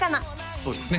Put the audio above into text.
そうですね